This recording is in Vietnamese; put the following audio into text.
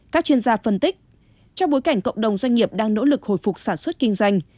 các chuyên gia phân tích trong bối cảnh cộng đồng doanh nghiệp đang nỗ lực hồi phục sản xuất kinh doanh